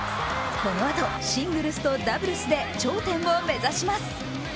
このあと、シングルスとダブルスで頂点を目指します。